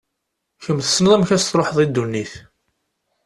Kemm tessneḍ amek ad as-tṛuḥeḍ i ddunit.